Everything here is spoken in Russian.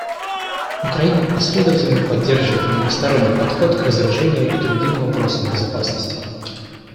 Украина последовательно поддерживает многосторонний подход к разоружению и другим вопросам безопасности.